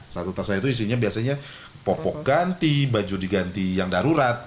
satu tasnya itu isinya biasanya popok ganti baju diganti yang darurat